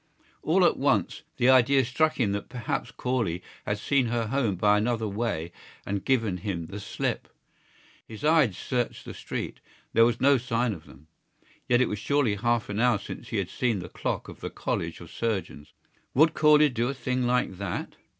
All at once the idea struck him that perhaps Corley had seen her home by another way and given him the slip. His eyes searched the street: there was no sign of them. Yet it was surely half an hour since he had seen the clock of the College of Surgeons. Would Corley do a thing like that?